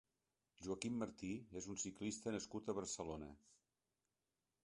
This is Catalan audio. Joaquim Martí és un ciclista nascut a Barcelona.